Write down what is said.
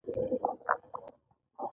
انسان د خپلې ماتې او بریا جاج اخیستلی.